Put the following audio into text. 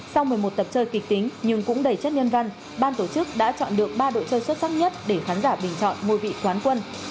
sau một mươi một tập chơi kịch tính nhưng cũng đầy chất nhân văn ban tổ chức đã chọn được ba đội chơi xuất sắc nhất để khán giả bình chọn ngôi vị quán quân